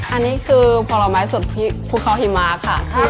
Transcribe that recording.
อันนี้คือผลไม้สดพริกภูเขาหิมะค่ะ